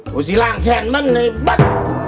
พูดสิร่างแขนมันไอ้บ้า